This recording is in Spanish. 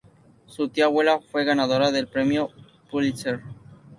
Su tía abuela fue ganadora del Premio Pulitzer.